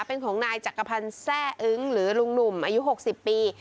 เป็นของนายจักรพันธ์แซ่อึ้งหรือลุงหนุ่มอายุ๖๐ปี